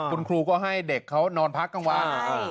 คุณครูก็ให้เด็กเขานอนพักกลางวัน